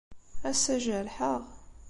Ass-a, jerḥeɣ.